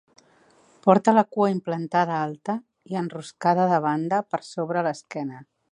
Porta la cua implantada alta i enroscada de banda per sobre de l'esquena.